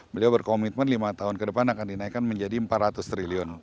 beliau berkomitmen lima tahun ke depan akan dinaikkan menjadi rp empat ratus triliun